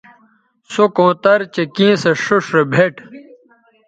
سو کونتر چہء کیں سو ݜئیݜ رے بھیٹ